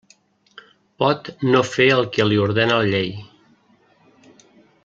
Pot no fer el que li ordena la llei.